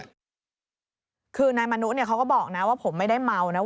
คือนายมณุเขาก็บอกว่าผมไม่ได้เมาเท่าไหร่